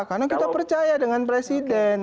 karena kita percaya dengan presiden